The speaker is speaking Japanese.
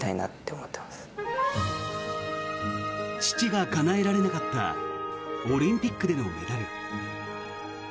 父がかなえられなかったオリンピックでのメダル。